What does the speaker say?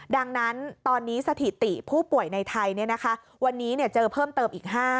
ดังนั้นตอนนี้สถิติผู้ป่วยในไทยวันนี้เจอเพิ่มเติมอีก๕